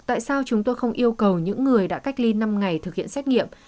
tại sao chúng tôi không yêu cầu những người đã cách ly năm ngày thực hiện xét nghiệm